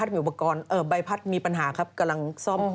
เออใบพัดมีปัญหาครับกำลังซ่อม